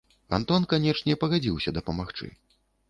Антон, канечне, пагадзіўся дапамагчы.